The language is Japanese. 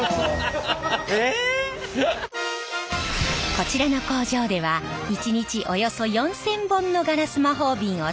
こちらの工場では１日およそ４，０００本のガラス魔法瓶を製造。